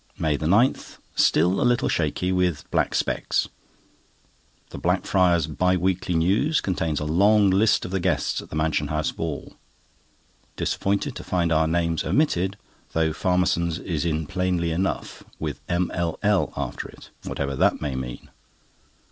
MAY 9.—Still a little shaky, with black specks. The Blackfriars Bi weekly News contains a long list of the guests at the Mansion House Ball. Disappointed to find our names omitted, though Farmerson's is in plainly enough with M.L.L. after it, whatever that may mean.